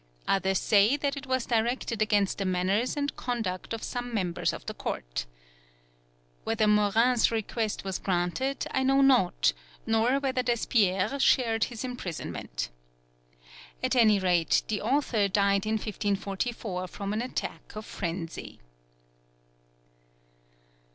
Others say that it was directed against the manners and conduct of some members of the Court. Whether Morin's request was granted I know not, nor whether Despériers shared his imprisonment. At any rate, the author died in 1544 from an attack of frenzy.